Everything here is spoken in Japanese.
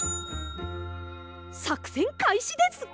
さくせんかいしです！